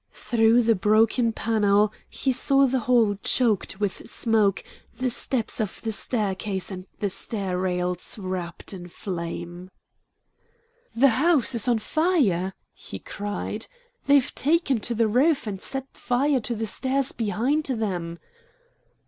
Through the broken panel he saw the hall choked with smoke, the steps of the staircase and the stair rails wrapped in flame. "The house is on fire!" he cried. "They've taken to the roof and set fire to the stairs behind them!"